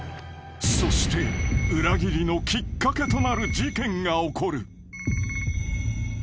［そして裏切りのきっかけとなる事件が起こる］